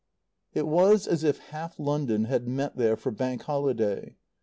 It was as if half London had met there for Bank Holiday.